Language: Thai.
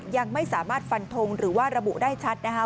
ยังไม่สามารถฟันทงหรือว่าระบุได้ชัดนะคะ